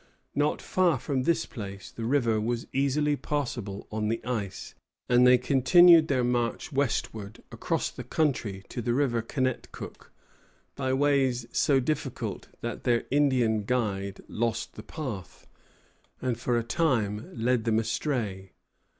Not far from this place the river was easily passable on the ice, and they continued their march westward across the country to the river Kennetcook by ways so difficult that their Indian guide lost the path, and for a time led them astray.